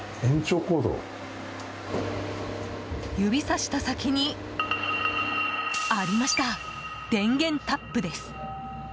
指さした先にありました電源タップです。